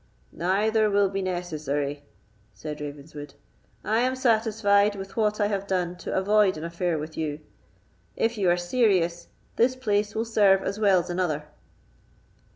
"Neither will be necessary," said Ravenswood; "I am satisfied with what I have done to avoid an affair with you. If you are serious, this place will serve as well as another."